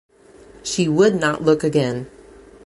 She would not look again.